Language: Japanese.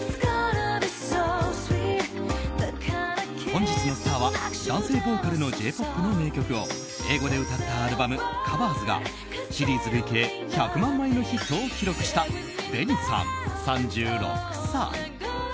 本日のスターは男性ボーカルのＪ‐ＰＯＰの名曲を英語で歌ったアルバム「ＣＯＶＥＲＳ」がシリーズ累計１００万枚のヒットを記録したＢＥＮＩさん、３６歳。